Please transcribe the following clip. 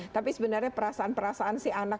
tapi sebenarnya perasaan perasaan si anak